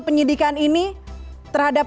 penyidikan ini terhadap